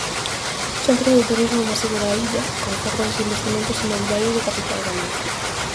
Centro do turismo masivo da illa, con fortes investimentos inmobiliarios de capital galego.